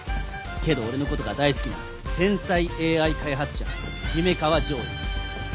けど俺のことが大好きな天才ＡＩ開発者姫川烝位。